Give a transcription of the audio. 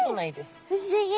え不思議。